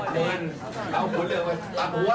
เดี๋ยวขอเซลฟี่ด้วย